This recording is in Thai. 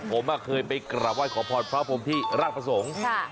ผมเคยไปกราบไห้ขอพรพระพรมที่ราชประสงค์